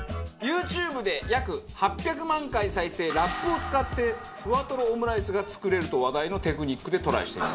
ＹｏｕＴｕｂｅで約８００万回再生ラップを使ってふわとろオムライスが作れると話題のテクニックでトライしてみましょう。